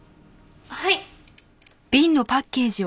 はい。